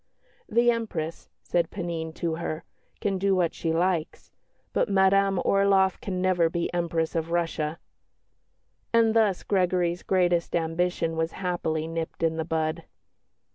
"The Empress," said Panine to her, "can do what she likes; but Madame Orloff can never be Empress of Russia." And thus Gregory's greatest ambition was happily nipped in the bud.